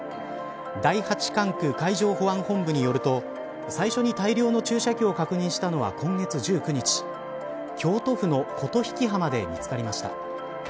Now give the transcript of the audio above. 第８管区海上保安本部によると最初に大量の注射器を確認したのは今月１９日京都府の琴引浜で見つかりました。